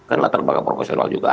kan latar belakang profesional juga ada